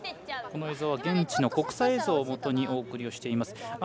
現地の国際映像をもとにお送りをしています。